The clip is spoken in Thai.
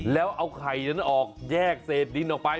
แล้วเอาไข่นั้นออกแยกเศษดินออกไป